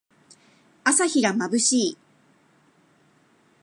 朝日がまぶしい。